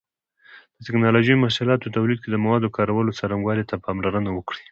د ټېکنالوجۍ محصولاتو تولید کې د موادو کارولو څرنګوالي ته پاملرنه وکړئ.